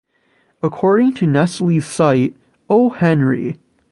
According to Nestle's site, Oh Henry!